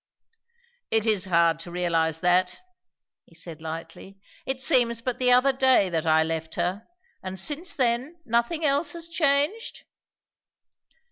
"It is hard to realize that," he said lightly. "It seems but the other day that I left her; and since then, nothing else has changed!"